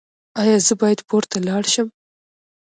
ایا زه باید پورته لاړ شم؟